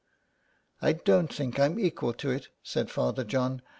" I don't think I'm equal to it," said Father John.